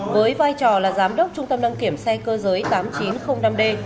với vai trò là giám đốc trung tâm đăng kiểm xe cơ giới tám nghìn chín trăm linh năm d